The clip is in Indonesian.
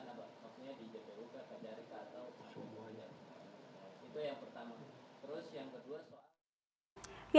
terus yang kedua